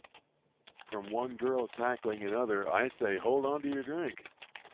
From one girl tackling another, I say hold on to your drink !